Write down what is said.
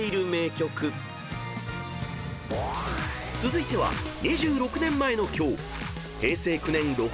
［続いては２６年前の今日］